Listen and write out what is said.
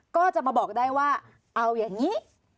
ก็จะมาบอกได้ว่าเอาอย่างนี้